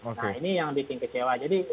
nah ini yang bikin kecewa